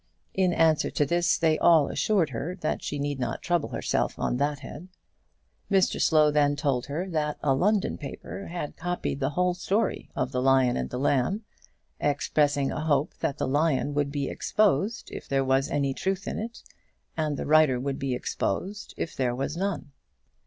In answer to this, they all assured her that she need not trouble herself on that head. Mr Slow then told her that a London paper had copied the whole story of the "Lion and the Lamb," expressing a hope that the lion would be exposed if there was any truth in it, and the writer would be exposed if there was none.